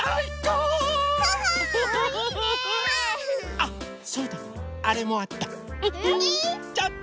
あっそうだあれもあった。